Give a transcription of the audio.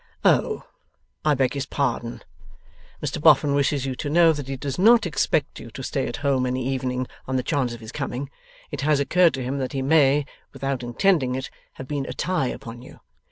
'Oh! I beg his pardon. Mr Boffin wishes you to know that he does not expect you to stay at home any evening, on the chance of his coming. It has occurred to him that he may, without intending it, have been a tie upon you.